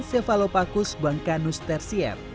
cephalopagus bangcanus tertiaeum